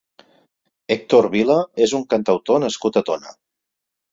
Hèctor Vila és un cantautor nascut a Tona.